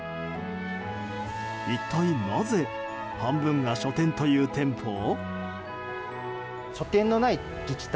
一体なぜ半分が書店という店舗を？